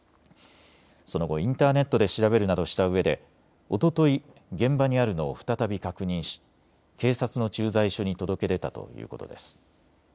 その後、インターネットで調べるなどしたうえで、おととい現場にあるのを再び確認し警察の駐在所に届け出たということです。